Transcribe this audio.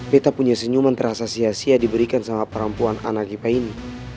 peta punya senyuman terasa sia sia diberikan sama perempuan anak kita ini